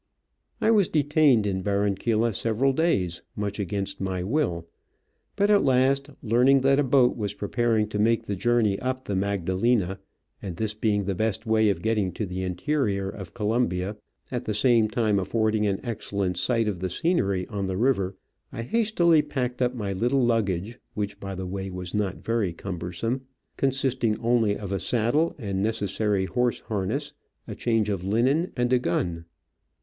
I was detained in Barranquilla several days, much against my will ; but at last, learning that a boat was preparing to make the journey up the Magdalena, and this being the best way of getting to the interior of Colombia, at the same time affording an excellent sight of the scenery on the river, I hastily packed up my little luggage, which, by the way, was not very cum bersome, consisting only of a saddle and necessary horse harness, a change of linen, and a gun.